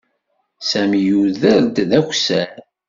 Sami yuder-d d akessar.